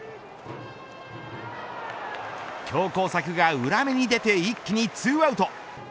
強行策が裏目に出て一気に２アウト。